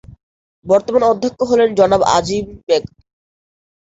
বর্তমান অধ্যক্ষ হলেন জনাব আজিম বেগ।